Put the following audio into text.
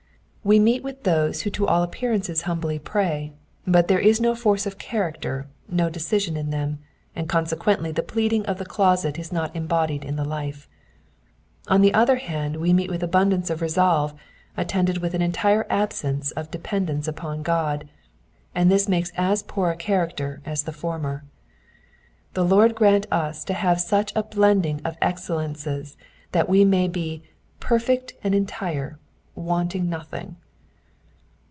We meet with those who to all appearance humbly pray, but there is no force of character, no decision in them, and consequently the pleading of the closet is not embodied in the life : on the other hand, we meet with abundance of resolve attended with an entire absence of dependence upon God, and this makes as poor a character as the former. The Lord grant us to have such a blending of excellences that we may be *^ perfect and entire, wanting nothing."